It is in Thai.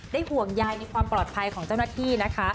ห่วงยายในความปลอดภัยของเจ้าหน้าที่นะคะ